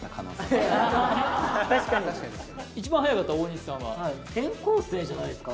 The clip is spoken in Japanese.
確かに一番早かった大西さんは転校生じゃないですか？